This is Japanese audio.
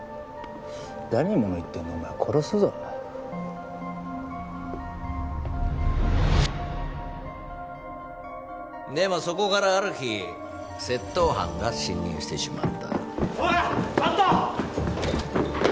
誰にもの言ってんのお前殺すぞでもそこからある日窃盗犯が侵入してしまったコラちょっと！